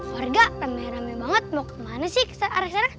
warga rame rame banget mau kemana sih arah sana